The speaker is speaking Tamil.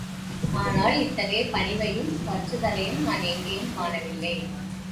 ஆனால், இத்தகைய பணிவையும், பற்றுதலையும் நான் எங்கேயும் காணவில்லை.